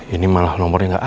ini malah nomornya gak aktif